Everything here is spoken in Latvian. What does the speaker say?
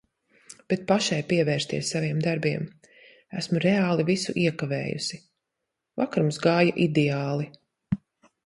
Bet pašai pievērsties saviem darbiem. Esmu reāli visu iekavējusi. Vakar mums gāja ideāli!